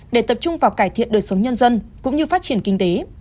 để tập trung vào cải thiện đời sống nhân dân cũng như phát triển kinh tế